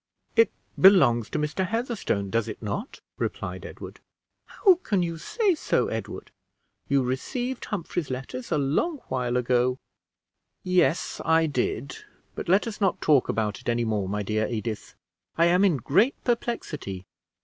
"It belongs to Mr. Heatherstone, does it not?" replied Edward. "How can you say so, Edward! You received Humphrey's letters a long while ago." "Yes, I did; but let us not talk about it any more, my dear Edith. I am in great perplexity."